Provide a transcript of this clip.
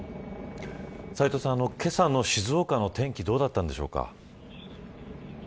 斉藤さん、けさの静岡の天気どうだったんでしょうか。